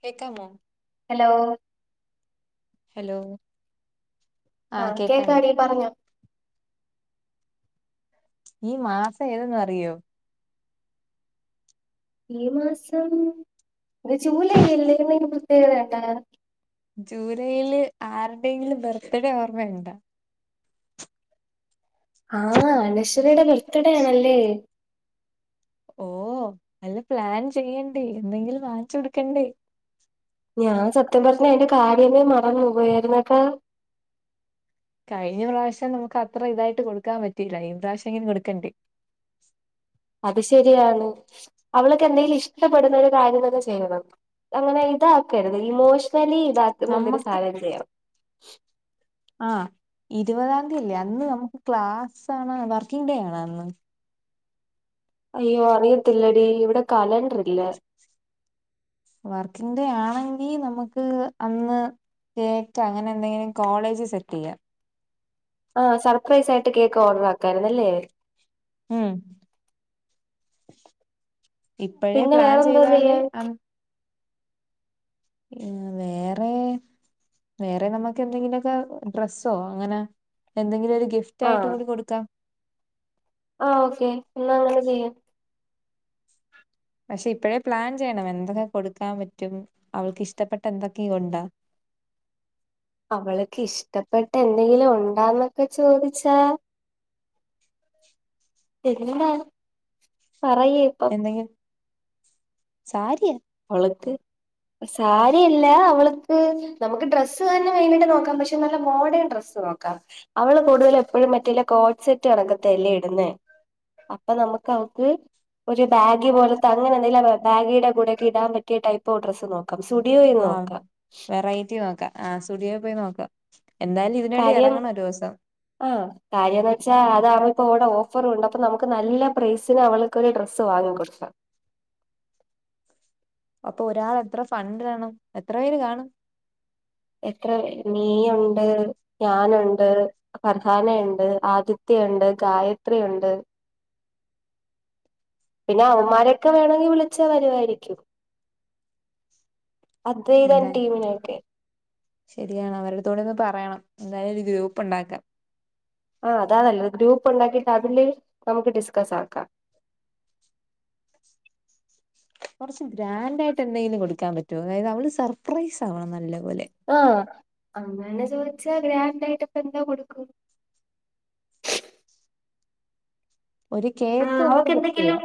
കേക്കാമോ hello hello ആ ആഹ് കേക്കാം കേക്കാടി പറഞ്ഞോ ഈ മാസ ഏതെന്നറിയോ ഈ മാസം ഇത് ജുലൈ അല്ലേന്ന് എന്തേലും പ്രത്യേകതയൊണ്ടാ ജൂലൈയില് ആരുടേങ്കിലും ബർത്ത്ഡേ ഓർമ്മയിണ്ടാ ആഹ് അനശ്വരയുടെ ബർത്ത്ഡേ ആണല്ലേ ഓ നല്ല പ്ലാൻ ചെയ്യെണ്ടേ എന്തെങ്കിലും വാങ്ങിച്ചൊടുക്കണ്ടേ ഞാൻ സത്യം പർഞ്ഞ അയ്ന്റെ കാര്യമേ മറന്ന് പോക്വായ്ര്ന്ന് കേട്ടാ കഴിഞ്ഞ പ്രാവശ്യം നമുക്ക് അത്ര ഇതായിട്ട് കൊടുക്കാൻ പറ്റീല്ല ഈ പ്രാവശ്യെങ്കിലും കൊടുക്കണ്ടേ അത് ശരിയാണ് അവൾക് എന്തേലും ഇഷ്ടപ്പെടുന്നൊരു കാര്യന്തന്നെ ചെയ്യണം അങ്ങനെ ഇതാക്കരത് ഇമോഷ്ണലി ഇതാക്കിന്ന എന്തെങ്കിലും നമ്മക്ക് സാനം ചെയ്യാം ആഹ് ഇരുപതാന്തിയല്ലേ അന്ന് നമുക്ക് ക്ലാസ്സാണാ വർക്കിംഗ് ഡേ ആണാ അന്ന് അയ്യോ അറിയത്തില്ലെടീ ഇവിടെ കലണ്ട്രില്ല വർക്കിങ്ങ് ഡേ ആണെങ്കി നമുക്ക് അന്ന് കേക്കേ അങ്ങനെ എന്തെങ്കിലും കോളേജ് സെറ്റ് ചെയ്യാം ആ സർപ്രൈസായിട്ട് കേക്ക് ഓർഡറാക്കായിരുന്നല്ലേ ഉം ഇപ്പഴേ പിന്നെ പ്ലാൻ വേറെന്തോ ചെയ്താലേ ചെയ്യാൻ അന്ന് ഏഹ് വേറെ വേറെ നമുക്ക് എന്തെങ്കിലുക്കെ ഡ്രസ്സോ അങ്ങനെ എന്തെങ്കിലും ഒരു ഗിഫ്റ്റ് ആയിട്ട് കൂടി കൊടുക്കാം ആഹ് ഓക്കെ എന്നാ അങ്ങനെ ചെയ്യാം പഷെ ഇപ്പഴേ പ്ലാൻ ചെയ്യണം എന്തൊക്കെ കൊടുക്കാംപറ്റും അവൾക്ക്ഷ്ടപ്പെട്ട എന്തൊക്കെയൊണ്ട് അവളാക്ക് ഇഷ്ടപ്പെട്ട എന്തെങ്കിലും ഒണ്ടാന്നൊക്കെ ചോദിച്ചാ പ്രഗ്നന്റണ് എന്താ പറയ് [unintelligible] സാരിയാ അവള്ക്ക് സാരിയല്ല അവളിക്ക് നമുക്ക് ഡ്രസ്സ് തന്നെ വേണ്ടീട്ട് നോക്കാം പഷെ നല്ല മോഡേൺ ഡ്രസ്സ് നോക്കാം അവള് കൂടുതലും എപ്പഴും മറ്റേ കോഡ്സെറ്റ് കണക്കിത്തേ എല്ലേ ഇടുന്നേ അപ്പൊ നമുക്ക് അവക്ക് ഒരു ബാഗി പോലത്തെ അങ്ങനെ എന്തെില ബാഗിയുടെ കൂടെ കിടാൻ പറ്റ്യേ ടൈപ്പോ ഡ്രസ്സ് നോക്കാം സുഡിയോ യി ആ നോക്കാം വെറൈറ്റി നോക്കാ ആ സുഡിയോ പോയി നോക്കാം എന്തായ്ലും ഇതിന് വേണ്ടി എറങ്ങണൊരൂസം ആ കാര്യന്ന് വെച്ചാ അത് അവളിപ്പോ അവിടെ ഓഫർ ഉണ്ട് അപ്പൊ നമുക്ക് നല്ല പ്രൈസിന് അവൾക്ക് ഒരു ഡ്രസ്സ് വാങ്ങി കെടുക്കാം അപ്പൊ ഒരാൾ എത്ര ഫണ്ടിടണം എത്ര പേര് കാണും എത്ര നീയൊണ്ട് ഞാനൊണ്ട് ഫർഹാനയൊണ്ട് ആദിത്യയൊണ്ട് ഗായത്രിയുണ്ട് പിന്നെ അവള്മാരെക്കെ വേണോങ്കി വിളിച്ചാ വെരുവാരിക്കും അദ്വൈദാൻ എന്താ ടീമിനെ ഒക്കെ ശരിയാണ് അവരുടുത്തൂടെ ഒന്ന് പറയണം എന്തായ്ലും ഒരു ഗ്രൂപ്പൊണ്ടാക്കാം ആഹ് അതാ നല്ലത് ഗ്രൂപ്പൊണ്ടാക്കീട്ട് അതില് നമുക്ക് ഡിസ്കസ്സാക്കാം കൊൻച്ച് ഗ്രാൻഡായിട്ടെന്തേലും കൊട്ക്കാൻ പറ്റോ അതായതവള് സർപ്രൈസ് ആവണം നല്ല പോലെ ആഹ് അങ്ങനെ ചോയ്ച്ചാ ഗ്രാൻഡായിട്ടിപ്പ എന്താ കൊടുക്കും ഒരു കേക്ക് ആഹ നമുക്ക് ഓക്കെ ഫിക്സ് ചെയ്യാം എന്തെങ്കിലും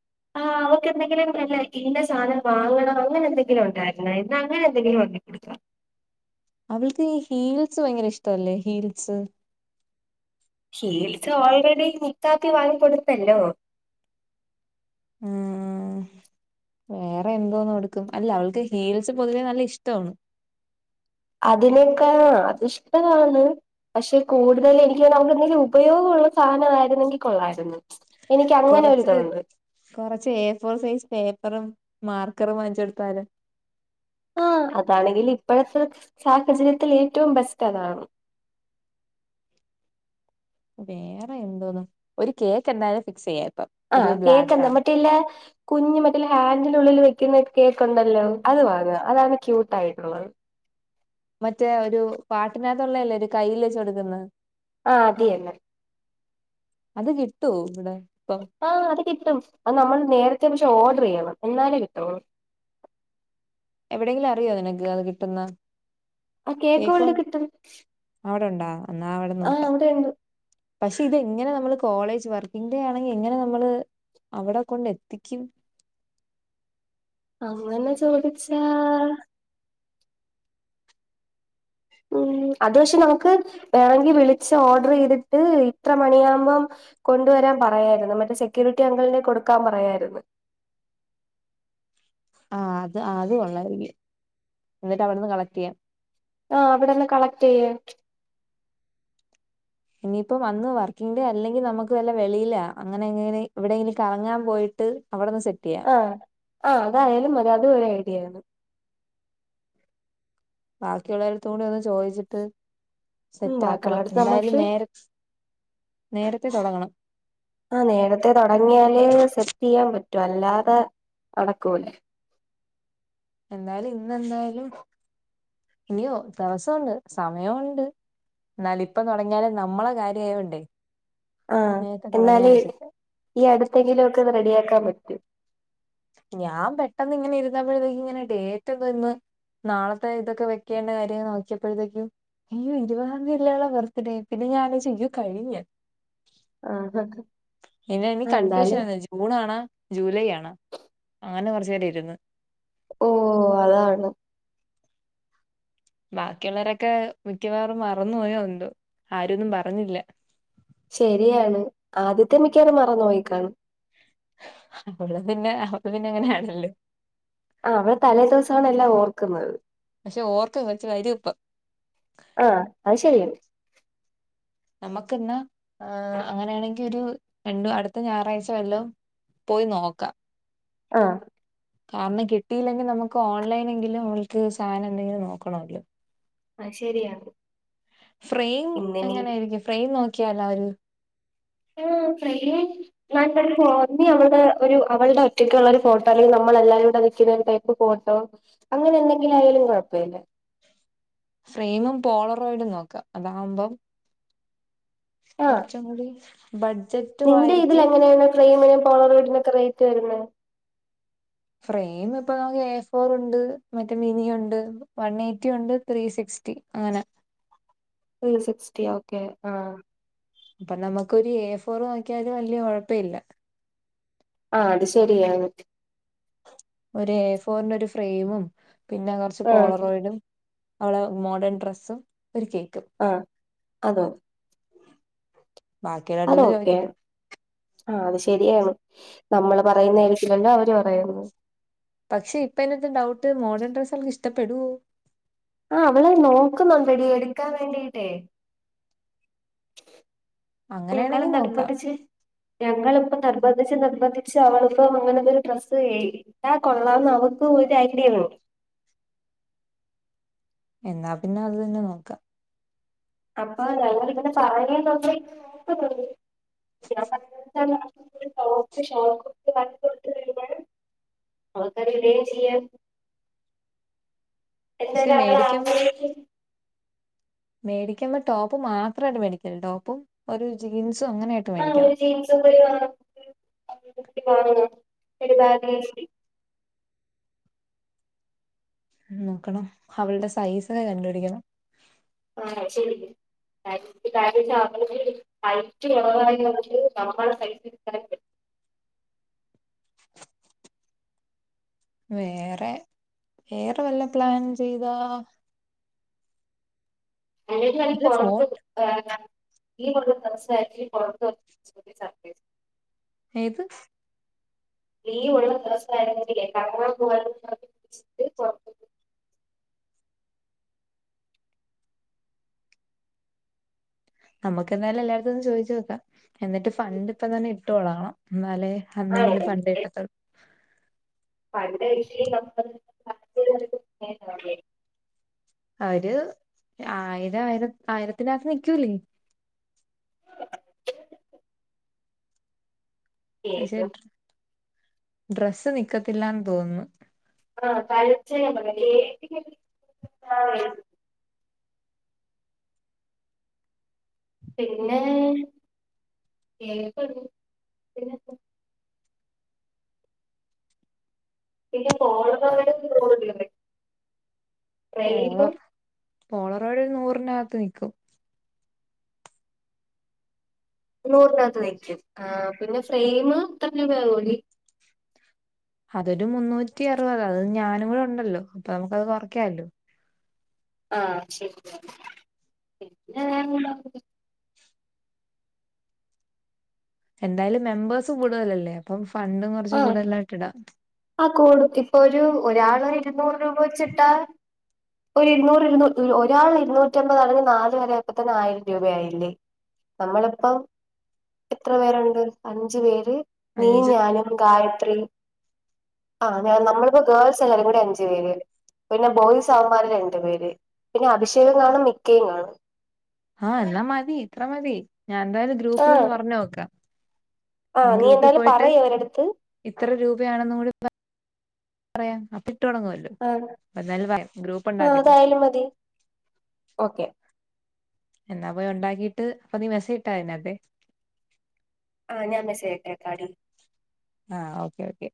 [inaudible] അവക്കെന്തെങ്കിലും നല്ല ഇന്ന സാനം വാങ്ങണം അങ്ങനെന്തെങ്കിലും ഉണ്ടായിര്ന്നാ എന്ന അങ്ങനെന്തെങ്കിലു ഒണ്ടങ്കി കൊടുക്കാ അവൾക്ക് ഈ ഹീൽസ് ഭയ്ങ്കര ഇഷ്ടൊവല്ലേ ഹീൽസ് ഹീൽസ് ഓൾറെഡി മുത്താക്കി വാങ്ങിക്കൊടുത്തല്ലോ ഉംഹ് വേറെ എന്തോന്നും കൊടുക്കും അല്ല അവൾക്ക് ഹീൽസ് പൊതുവേ നല്ല ഇഷ്ടമാണ് അതിനൊക്കാൾ അത് ഇഷ്ട്ടമാണ് പഷെ കൂടുതലെനിക്ക് തോന്ന് അവക്കെന്തേലുപയോഗുള്ള സാനവായിരിന്നെങ്കി കൊള്ളായിരുന്ന് കൊറച്ച് കൊറച്ച് എ ഫോർ സൈസ് പേപ്പറും മാർക്കറും വാങ്ങിച്ച് കൊടുത്ത ലോ ആഹ് അതാണെങ്കിൽ ഇപ്പോഴത്തെ സാഹചര്യത്തിൽ ഏറ്റവും ബെസ്റ്റ് അതാണ്. വേറെ എന്തോന് ഒരു കേക്ക് എന്തായാലും ഫിക്സ് ചെയ്യാപ്പം. ആഹ് കേക്കുന്ന മട്ടില്ല. കുഞ്ഞമറ്റെ ഹാൻഡിനുള്ളിൽ വെക്കുന്ന കേക്ക് ഉണ്ടല്ലോ അത് വാങ്ങ അതാണ് ക്യൂട്ട് ആയിട്ടുള്ളത്. മറ്റേ ഒരു പാട്ടിനകത്തുള്ളല്ലേ ഒരു കയ്യിൽ വെച്ച കൊടുക്കുന്ന ആഹ അതന്നെ. അത് കിട്ടോ ഇവിടെ ഇപ്പം.. ആഹ് അത് കിട്ടും അത് നമ്മൾ നേരത്തെ പക്ഷെ ഓർഡർയ്യണം എന്നാലേ കിട്ടോള്ളു. എവിടെയെങ്കിലും അറിയോ നിനക്ക് അത് കിട്ടുന്ന. ആ കേക്കുകൾടെകിട്ടും? അവിടെണ്ടാ എന്നാ അവിടെ നോക്കാം. അവിടെണ്ട് പക്ഷെ ഇതെങ്ങനെ നമ്മള് കോളേജ് വർക്കിംഗ് ഡേ ആണെങ്കി എങ്ങനെനമ്മള്.. അവിടെ കൊണ്ടെത്തിക്കും. അങ്ങനെചോദിച്ചാ ഉം അത്പക്ഷേ നമുക്ക് വേണെങ്കി വിളിച്ച് ഓർഡർ ചെയ്തിട്ട് ഇത്ര മണിയാകുമ്പ. കൊണ്ടുവരാൻ പറയായിരുന്നു മറ്റേ സെക്യൂരിറ്റി അംഗിളിനെ കൊടുക്കാൻ പറയാരുന്നു. ആ അത് അതു കൊള്ളായിരിക്കും എന്നിട്ട് അവിടെന്ന് കളക്റ്റിയ്യാം. ആഹ അവിടെന്ന് കളക് റ്റെയ്യ്. ഇനിയിപ്പം വന്നു വർക്കിംഗ് ഡേ അല്ലെങ്കിൽ നമുക്ക് വല്ല വെളിയിലൊ അങ്ങനെ എങ്ങനെ എവിടെയെങ്കിലും കറങ്ങാൻ പോയിട്ട് അവിടെന്ന്സെറ്റിയ്യാം. ആ ആ അതായാലും മതി അതും ഒരു ഐഡിയ ബാക്കിയുള്ളവരത്തും കൂടി ഒന്ന് ചോദിച്ചിട്ട്. ഉം സെറ്റ് ആക്കണം ബാക്കിയുള്ളടത്ത് എന്തായാലും നമുക്ക് നേര നേരത്തെ തുടങ്ങണം. ആ നേരത്തെ തുടങ്ങിയാലെ സെറ്റി യ്യാൻ പറ്റുഅല്ലാതെ നടക്കൂല്ല. എന്തായാലും ഇന്നെന്തായാലും ഇനിയോ താസോണ്ട് സമയുണ്ട്. എന്നാലും ഇപ്പം തുടങ്ങിയാലെ നമ്മളെ കാര്യയോണ്ടേ ആഹ് നേരത്തെ എന്നാല് തുടങ്ങിയാലെശ ഈ അടുത്തെങ്കിലും ഒക്കെ അത് റെഡിയാക്കാൻ പറ്റും. ഞാൻ പെട്ടെന്ന് ഇങ്ങനെ ഇരുന്നപ്പോഴത്തേക്കങ്ങനെ ഡേറ്റ് എന്തഇന്ന് നാളത്തെ ഇതൊക്കെ വെക്കേണ്ട കാര്യങ്ങൾ നോക്കിയപ്പോഴത്തേക്കും. അയ്യോ ഇരുവാന്തി അല്ലെ ഓളെ ബർത്ത്ഡേ പിന്നെ ഞാൻ അലോയ്‌ച്ചു യ്യോകഴിഞ്. ആഹ് ഇന്ന ഇനി ആഹ് കൺഫ്യൂഷൻ എന്തായാലും ആന്ന് ജൂൺ ആണാ ജൂലൈ ആണാ അങ്ങനെ കുറച്ചേരം ഇരുന്ന്. ഓ അതാണ്. ബാക്കിയുള്ളവരൊക്കെ മിക്കവാറും മറന്നു പോയോ എന്തോ ആരൊന്നും പറഞ്ഞില്ല. ശരിയാണ് ആദ്യത്യൻ മിക്കവാറും മറന്നോയിക്കാണ്. ഹ അവള് പിന്നെ അവള് പിന്നെ അങ്ങനെയാണല്ലോ. ആ അവൾ തലേദിവസാണ് എല്ലാം ഓർക്കുന്നത്. പക്ഷെ ഓർക്ക [unintelligible] പ ആഹ അത് ശരിയാണ് നമുക്ക് ഇന്നാ അങ്ങനെയാണെങ്കി ഒരു രണ്ടു അടുത്ത ഞായറാഴ്ച വല്ലും പോയി നോക്കാം. ആഹ് കാരണം കിട്ടയില്ലെങ്കിൽ നമുക്ക് ഓൺലൈനെങ്കിലും ഓൽക്ക് സാധനം ന്തെങ്കിലും നോക്കണല്ലോ. ആഹ ശരിയാണ്. ഫ്രെയിം ഇങ്ങനെ എങ്ങനായിരിക്കും ഫ്രെയിം നോക്കിയാല ഒരു [unintelligible] നല്ലൊരു ഫോ നീ അവളടെ ഒരു അവളുടെ ഒറ്റയ്ക്കുള്ളൊരു ഫോട്ടോ അല്ലെങ്കി നമ്മളെല്ലാരൂടെ നിക്കുന്നയ് പ്പ് ഫോട്ടോ അങ്ങനെ എന്തെങ്കിലും ആയാലും കുഴപ്പഇല്ല. ഫ്രെയിമും പോളറോയിഡും നോക്കാം അതാകുമ്പം ആഹ് കുറച്ചും കൂടി ബഡ്ജറ്റു ആയിരിക്കും ക്രീമിനും കോളർ വരുന്നൊക്കെ റെയ്റ്റ് വരുന്ന ഫ്രെയിം ഇപ്പൊ നമുക്ക് എ ഫോർ ഉണ്ട്, മറ്റേ മിനി ഉണ്ട്, വൺ എയ്റ്റി ഉണ്ട്, ത്രീ സിക്സ്റ്റി റ്റി അങ്ങനെ [unintelligible] സിക്സ്റ്റി ഓക്കെ ആ അപ്പൊ നമുക്കൊരു എ ഫോർ വാങ്ങിക്കിയാല് വല്യയ കുഴപ്പ ഇല്ല. ആഹ് അത് ശരിയാണ് ഒരു എ ഫോറിന്റെ ഒരു ഫ്രെയിമും പിന്നെ കുറച്ച് ആഹ് പോളറോയിഡും അവളെ മോഡേൺ ഡ്രെസ്സും ഒരു കേക്കും അ അതൊ അത് ബാക്കിയുള്ളവരോട് ചോദിക്കട്ടെ ഒക്കേയാണ് ആ അത് ശരിയാണ് നമ്മള് പറയുന്ന ആയിരിക്കില്ലല്ലോ അവര് പറയുന്നത് പക്ഷെ ഇപ്പെന്റെടത്ത്ടൗട്ട് മോഡേൺ ഡ്രസ്സ് അവൾക്ക് ഇഷ്ടപ്പെടുവോ ആ അവള് നോക്കുന്നുണ്ടടി എടുക്കാൻ വേണ്ടിട്ടേ പോയിക്ക്ണ് അങ്ങനെയാണെങ്കിൽ നോക്കാം നിർബന്തിച്ച് ഞങ്ങളിപ്പ നിർബന്ധിച്ച് നിർബന്ധിച്ച് അവളിപ്പ അങ്ങനെരു ഡ്രസ്സ് മേടി ഇട്ടാ കൊള്ളാംന്ന് അവർക്ക് ഒരു ഐഡിയ ഉള്ളൂ. എന്നാ പിന്നെ അത് തന്നെ നോക്കാം. അപ്പൊ ഞങ്ങിളിവിടെ [unintelligible] ടോപ്പ് ഷോക്ക് ഒക്കെ വൺസിക്സിറ്റി രൂപണ്. വർക്ക് രീതിയിൽ ചെയ്യാൻ എന്നാലും പക്ഷെ എല്ലാം മേടിക്കുമ്പോ ആകുമ്പോഴേക്കും മേടിക്കുമ്പോ ടോപ്പ് മാത്രട്ട് മേടിക്കല്ല ടോപ്പും ഒരു ജീൻസും അങ്ങനെ ആ ജീൻസ [inaudible] നോക്കണം അവളുടെ സൈസ് കണ്ടുപിടിക്കണം ആഹ അഹ്ശെരി [unintelligible] ടൈറ്റ് ലോഡയി വന്നിട്ട് നമ്മളെ സൈനിന് എടുക്കാനും പറ്റും വേറെ വേറെ വല്ല പ്ലാൻ ചെയ്തോ പേടിയാണ് അല്ല തുടക്കയ് ഫോട്ടോ വേണ്ട, ഈ [unintelligible] ഡ്രസ്സായിട്ട് [inaudible] ഏത് നീ ഉള്ള ദിവസാണെങ്കില് കറങ്ങാൻ പോവ [inaudible] നമുക്ക് എന്തായാലും എല്ലാടത്തും ഒന്ന് ചോദിച്ചു നോക്കാം എന്നിട്ട് ഫണ്ട് ഇപ്പ ഞാൻ ഇട്ടോളണം എന്നാലേ അന്നെങ്കിലും ഫണ്ട് കിട്ടത്തുള്ളു പണ്ടെ ഈ വിഷയ [inaudible] ആ ഒരു ആയിരം ആയിര ആയിരത്തിനകത്ത് നിൽക്കൂലേ പക്ഷെ ഡ്ര ഡ്രസ്സ് നിക്കത്തില്ലന്ന് തോന്നുന്നു. ആഹ് കളിച്ച പറ [inaudible] പിന്നെ കേക്ക് [unintelligible] പിന്നെ കോള [unintelligible] പോളർ പോളറൊരു നൂറിനകത്ത് നിക്കും. നൂറിനകത്ത് നിക്കും ആ പിന്നെ ഫ്രെയിംമ് എത്ര രൂപ ആവോ ടീ അതൊരു മുന്നൂറ്റി അറുപതാണ് അത് ഞാനും കൂടെ ഉണ്ടല്ലോ അപ്പൊ നമുക്ക്അത് കുറയ്ക്കാമല്ലോ ആഹ് ശരിയാണ് പിന്നെ എന്തായാലും മെമ്പേഴ്സ് കൂടുതലല്ലേ അപ്പം ഫണ്ടും കുറച്ച് കൂടുതലായിട്ട് ഇടാം. ആ കൂട ഇപ്പൊ ഒരു ഒരാള് ഇരുന്നൂറ് രൂപ വെച്ചിട്ടാ ഒരു ഇരുന്നൂറ് ഇരുന്നൂ ഒരാൾ ഇരുന്നൂറ്റിമ്പതാണെങ്കിൽ നാല് പേര് ആയപ്പ തന്നെ ആയിരം രൂപയായില്ലേ നമ്മളിപ്പം എത്ര പേരുണ്ട് അഞ്ചു പേര് നീയും അഞ്ച് ഞാനും. ഗായത്രി ആഹ നമ്മളിപ്പോ ഗേൾസ് എല്ലാരും കൂടെ അഞ്ചു പേര് പിന്നെ ബോയിസവമ്മാര് രണ്ടു പേര് പിന്നെ അഭിഷേകും കാണും മിക്കിയും കാണും. ആഹ് എന്നാ മതി ഇത്ര മതി ഞാൻ എന്തായാലും ഗ്രൂപ്പിൽ ഒന്ന് ആഹ് പറഞ്ഞ് നോക്കാം. ആഹ് മെയ്ൻ നീ ഗ്രൂപ്പി എന്തായാലും പോയിട്ട്! പറയ് ! ! ! ! അവരടുത്ത് ! ! ! ! ! ഇത്ര രൂപയാണെന്ന് കൂടി പറയാം അപ്പ ഇട്ടടൊ ങ്ങോലോ! ! ! ! ! ! ! ! ! ! ആഹ് ആഹ് അതായാലും മതി ഓക്കെ എന്നാ പോയി ഉണ്ടാക്കിട്ട് അപ്പൊ നീ [unintelligible] ഇട്ടായി [unintelligible] കതെ. ആ ഞാൻ മെസേജ് ഇട്ടേക്കാടി. ആഹ് ഓക്കെ ഓക്കെ.